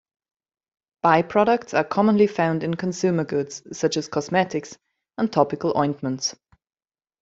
By-products are commonly found in consumer goods such as cosmetics, and topical ointments.